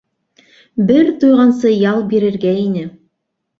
Бер туйғансы ял бирергә ине.